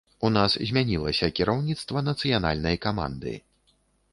У нас змянілася кіраўніцтва нацыянальнай каманды.